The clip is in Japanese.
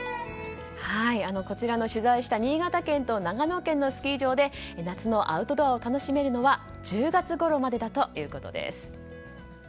こちらの取材した新潟県と長野県のスキー場で夏のアウトドアを楽しめるのは１０月ごろまでだということです。